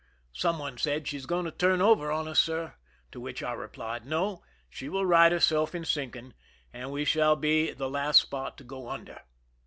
Some one said :" She is going to turn over on us, sir," to which I replied :" No ; she will right herself in sink ing, and we shall be the last spot to go under."